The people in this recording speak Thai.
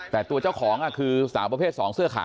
แต่ตัวเจ้าของคือสาวประเภท๒เสื้อขาว